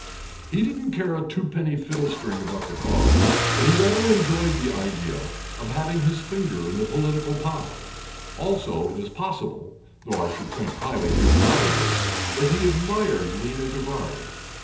He didn't care a twopenny fiddlestring about the Cause, but he rather enjoyed the idea of having his finger in the political pie. Also it is possible, though I should think highly improbable, that he admired Lena Dubarri.